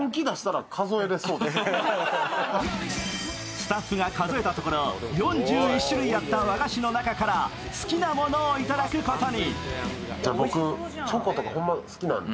スタッフが数えたところ、４１種類あった和菓子の中から好きなものをいただくことに。